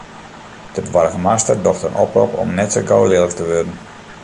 De boargemaster docht in oprop om net sa gau lilk te wurden.